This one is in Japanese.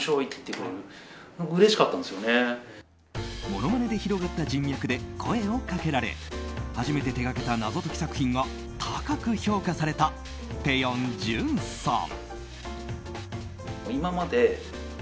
ものまねで広がった人脈で声をかけられ初めて手掛けた謎解き作品が高く評価された、ぺよん潤さん。